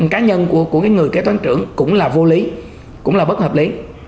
cá nhân của người kế toán trưởng cũng là vô lý cũng là bất hợp lý